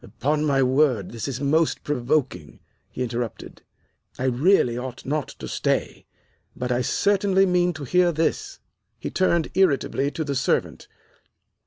"Upon my word, this is most provoking," he interrupted. "I really ought not to stay. But I certainly mean to hear this." He turned irritably to the servant.